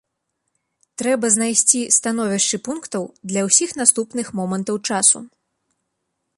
Трэба знайсці становішчы пунктаў для ўсіх наступных момантаў часу.